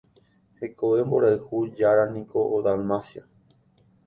Hekove mborayhu járaniko Dalmacia.